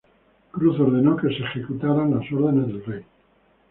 Cruz ordenara que se ejecutaran las órdenes del Rey.